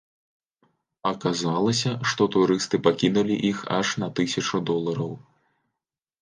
Аказалася, што турысты пакінулі іх аж на тысячу долараў.